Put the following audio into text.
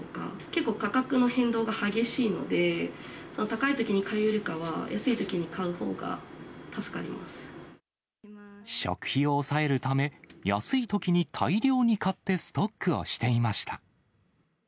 結構価格の変動が激しいので、高いときに買うよりかは、食費を抑えるため、安いときに大量に買ってストックをしていました。